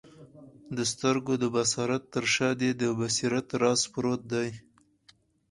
د سترګو د بصارت تر شاه دي د بصیرت راز پروت دی